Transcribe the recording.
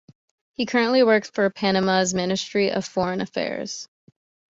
He currently works for Panama's Ministry of Foreign Affairs.